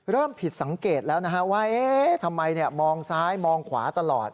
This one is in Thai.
เริ่มผิดสังเกตแล้วนะฮะว่าทำไมมองซ้ายมองขวาตลอด